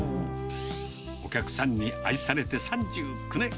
お客さんに愛されて３９年。